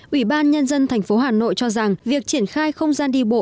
ủy ban nhân dân thành phố hà nội cho rằng việc triển khai không gian đi bộ